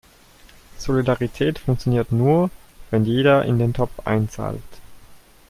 Solidarität funktioniert nur, wenn jeder in den Topf einzahlt.